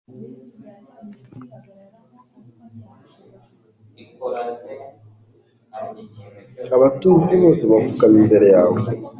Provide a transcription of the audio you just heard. Abatuye isi bose bapfukamye imbere yawe